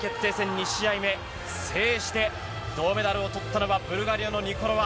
２試合目を制して、銅メダルをとったのは、ブルガリアのニコロワ。